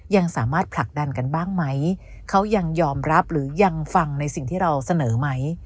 ยังสามารถผลักดันกันบ้างไหมเขายังยอมรับหรือยังฟังในสิ่งที่เราเสนอไหม